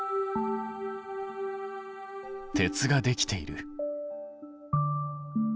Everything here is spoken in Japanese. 鉄ができている。